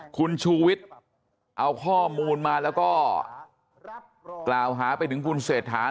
คุณชูวิทย์เอาข้อมูลมาแล้วก็กล่าวหาไปถึงคุณเศรษฐา